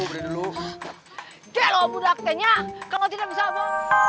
gila budaknya kalau tidak bisa apa